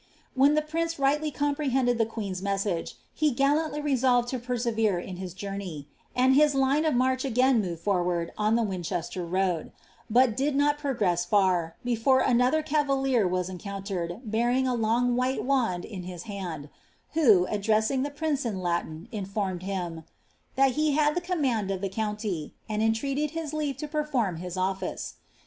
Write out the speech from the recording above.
'' Wiien the prince rightly comprehended the queen's message, he gil landy resolved to persevere in his journey ; and his line of oAreh tgain moved forward on the Winchester road ; but did not proceed &r, b^OtC another cavalier was encountered, bearing a long white wand in bit hand, who, addressing the prince in Latin, informed him, ^ that he had the command of the county," and entreated his leave to perform his office.